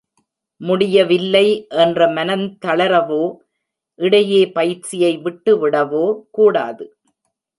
முடியவில்லை என்ற மனந்தளரவோ இடையே பயிற்சியை விட்டுவிடவோ கூடாது.